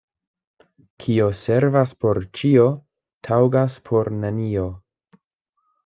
Kio servas por ĉio, taŭgas por nenio.